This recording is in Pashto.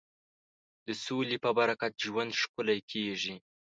د سولې په برکت ژوند ښکلی کېږي.